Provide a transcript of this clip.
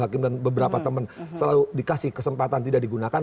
hakim dan beberapa teman selalu dikasih kesempatan tidak digunakan